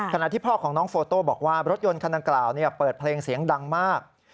ที่พ่อของน้องโฟโต้บอกว่ารถยนต์คันดังกล่าวเปิดเพลงเสียงดังมาก